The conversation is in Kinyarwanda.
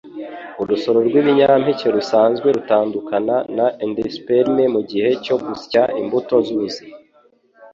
Urusoro rwibinyampeke rusanzwe rutandukana na endosperm mugihe cyo gusya; imbuto zubuzima